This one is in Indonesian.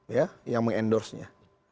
ya yang mengendorse nya